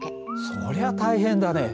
それは大変だね。